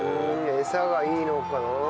餌がいいのかな。